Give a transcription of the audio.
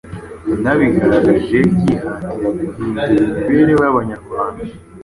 yanabigaraje yihatira guhindura imibereho y'Abanyarwanda